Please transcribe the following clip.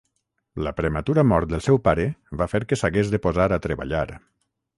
La prematura mort del seu pare va fer que s'hagués de posar a treballar.